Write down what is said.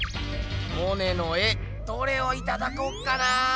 モネの絵どれをいただこうかな？